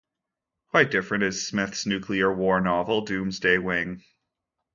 Quite different is Smith's nuclear war novel "Doomsday Wing".